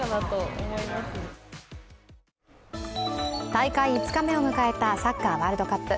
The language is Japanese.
大会５日目を迎えたサッカーワールドカップ。